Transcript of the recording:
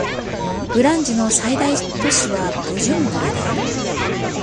ブルンジの最大都市はブジュンブラである